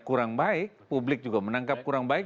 kurang baik publik juga menangkap kurang baik